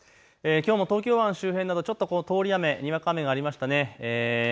きょうも東京湾周辺などちょっと通り雨、にわか雨がありましたね。